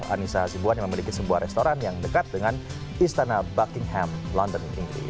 anissa hasibuan yang memiliki sebuah restoran yang dekat dengan istana buckingham london inggris